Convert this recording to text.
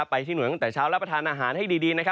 ไปที่หน่วยตั้งแต่เช้ารับประทานอาหารให้ดี